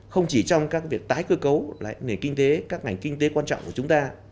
không chỉ trong các việc tái cơ cấu lại nền kinh tế các ngành kinh tế quan trọng của chúng ta